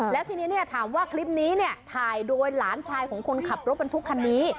แล้วทีนี้ถามว่าคลิปนี้เนี่ยถ่ายโดยหลานชายของคนขับรถบรรทุกคันนี้